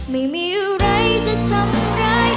ไม่มีอะไรจะทำร้าย